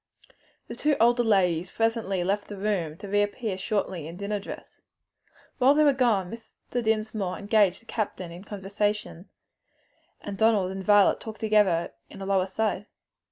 The two older ladies presently left the room to reappear shortly in dinner dress. While they were gone Mr. Dinsmore engaged the captain in conversation, and Donald and Violet talked together in a low aside.